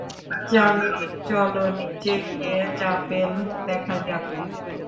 জাংলি, চলো নিচে গিয়ে চাপেল দেখা যাক।